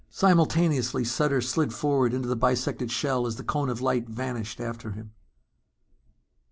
Simultaneously, Sutter slid forward into the bisected shell as the cone of light vanished after him....